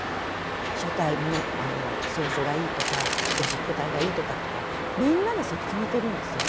書体も草書がいいとかゴシック体がいいとかみんなでそうやって決めてるんですよ